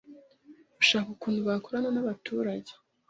gushaka ukuntu bakorana n’abaturage,